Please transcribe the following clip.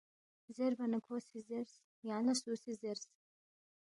زیربا نہ کھو سی زیرس، یانگ لہ سُو سی زیرس؟